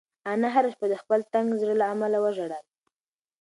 انا هره شپه د خپل تنګ زړه له امله وژړل.